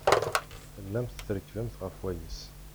Tellamt trekkbemt ɣef wayis.